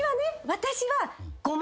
私は。